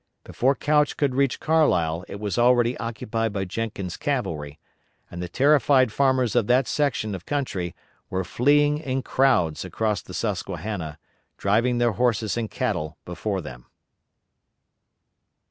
Before Couch could reach Carlisle it was already occupied by Jenkins' cavalry, and the terrified farmers of that section of country were fleeing in crowds across the Susquehanna, driving their horses and cattle before them.